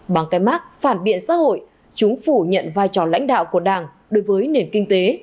bằng cái mark phản biện xã hội chúng phủ nhận vai trò lãnh đạo của đảng đối với nền kinh tế